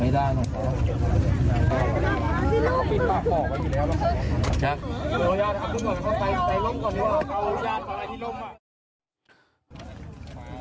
ไปปั๊มหัวใจเพื่อจะฝืนจ้ะไม่ได้